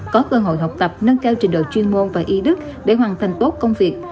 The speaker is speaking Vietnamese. có cơ hội học tập nâng cao trình độ chuyên môn và y đức để hoàn thành tốt công việc